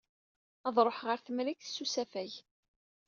Ad ṛuḥer ɣer Temrikt s usafag.